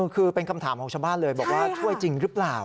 คือเป็นคำถามของชาวบ้านเลยบอกว่าช่วยจริงหรือเปล่า